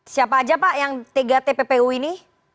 siapa saja pak yang tiga tpu ini